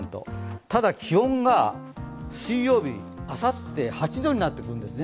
ただ、気温が水曜日、あさって８度になってくるんですね。